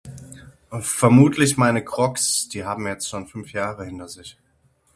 Vermutlich meine Crooks, die haben jetzt schon 5 Jahre hinter sich.